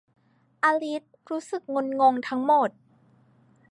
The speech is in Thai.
อลิซรู้สึกงุนงงทั้งหมด